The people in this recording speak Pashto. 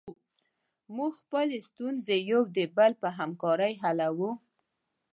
موږ خپلې ستونزې یو د بل په همکاري حلوو.